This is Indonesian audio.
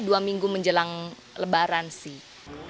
dua minggu menjelang lebaran sih